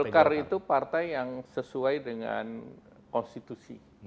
golkar itu partai yang sesuai dengan konstitusi